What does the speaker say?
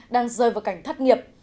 đang rơi vào cảnh thất nghiệp